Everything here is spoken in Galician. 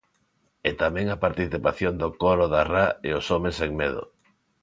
E tamén a participación do Coro da Rá e Os Homes sen Medo.